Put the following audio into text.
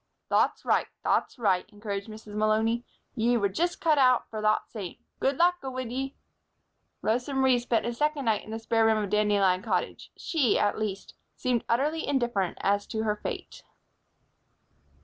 "Thot's right, thot's right," encouraged Mrs. Malony. "Ye were just cut out for thot same. Good luck go wid ye." Rosa Marie spent a second night in the spare room of Dandelion Cottage. She, at least, seemed utterly indifferent as to her fate.